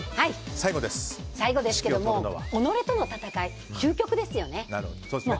最後ですけど己との闘い、究極ですよね。